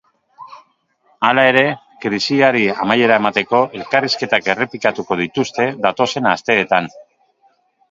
Hala ere, krisiari amaiera emateko elkarrizketak errepikatuko dituzte datozen asteetan.